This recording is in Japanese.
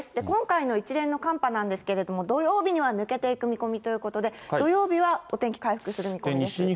今回の一連の寒波なんですけれども、土曜日には抜けていく見込みということで、土曜日はお天気回復する見込みです。